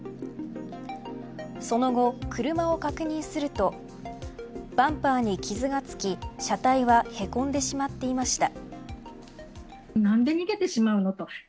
その後、車を確認するとバンパーに傷がつき車体はへこんでしまっていました。